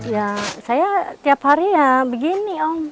ya saya tiap hari ya begini om